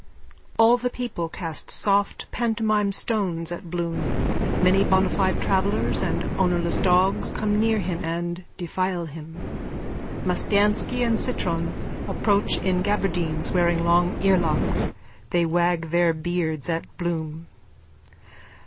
_(All the people cast soft pantomime stones at Bloom. Many bonafide travellers and ownerless dogs come near him and defile him. Mastiansky and Citron approach in gaberdines, wearing long earlocks. They wag their beards at Bloom.)